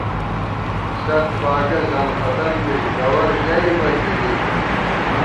ست باگہ زنخدن بُوئی گوَر ژئیبہ گِری